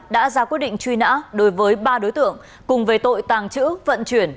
đã ra quyết định truy nã đối với ba đối tượng cùng về tội tàng trữ vận chuyển